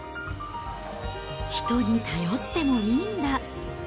人に頼ってもいいんだ。